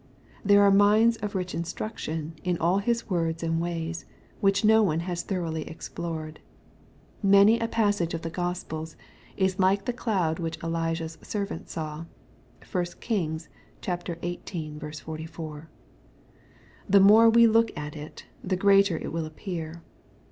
There are mines of rich instruction in all His words and ways, which no one has thoroughly explored. Many a passage of the Gospels is like the cloud which Elijah's servant saw. (1 Kings xviii. 44.) The more we look at it, the greater it will appear.